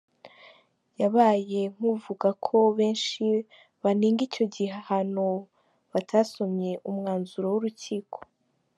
Yabaye nk'ukuvuga ko benshi banenga icyo gihano batasomye umwanzuro w'urukiko.